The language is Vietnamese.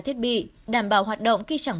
thiết bị đảm bảo hoạt động khi chẳng